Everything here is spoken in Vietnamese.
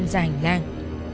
nên dành lang